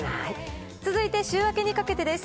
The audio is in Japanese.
続いて、週明けにかけてです。